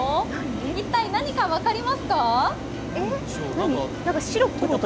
一体何か分かりますか？